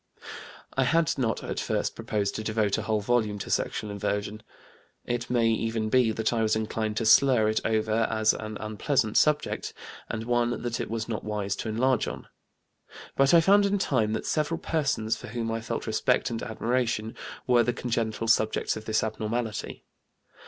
I had not at first proposed to devote a whole volume to sexual inversion. It may even be that I was inclined to slur it over as an unpleasant subject, and one that it was not wise to enlarge on. But I found in time that several persons for whom I felt respect and admiration were the congenital subjects of this abnormality.